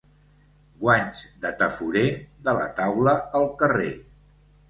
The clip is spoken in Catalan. Guanys de tafurer, de la taula al carrer.